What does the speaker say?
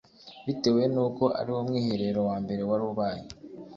Bitewe n’uko ari wo Mwiherero wa mbere wari ubaye